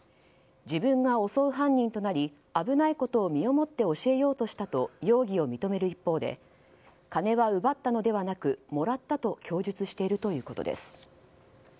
自分が襲う犯人となり危ないことを身をもって教えようとしたと容疑を認める一方で金は奪ったのではなくもらったと供述しているということです。